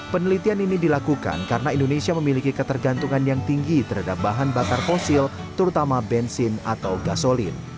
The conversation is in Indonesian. penelitian ini dilakukan karena indonesia memiliki ketergantungan yang tinggi terhadap bahan bakar fosil terutama bensin atau gasolin